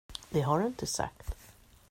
Det har du inte sagt.